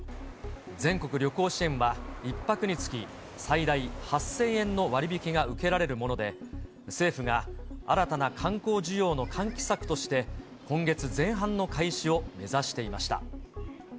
全国旅行支援は、１泊につき最大８０００円の割引を受けられるもので、政府が新たな観光需要の喚起策として、今月前半の開始を目指していました。